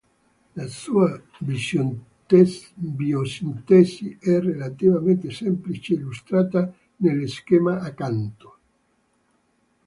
La sua biosintesi è relativamente semplice, illustrata nello schema accanto.